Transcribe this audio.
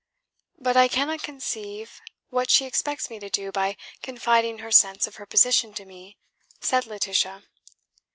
"But I cannot conceive what she expects me to do by confiding her sense of her position to me," said Laetitia.